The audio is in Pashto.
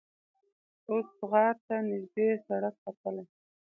اوس غار ته نږدې سړک ختلی.